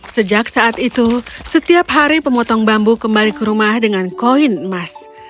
sejak saat itu setiap hari pemotong bambu kembali ke rumah dengan koin emas